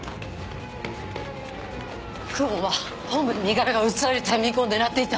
久遠は本部に身柄が移されるタイミングを狙っていた。